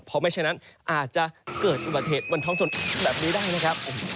เพราะไม่ฉะนั้นอาจจะเกิดอุบัติเหตุบนท้องถนนแบบนี้ได้นะครับ